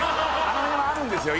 あの辺はあるんですよ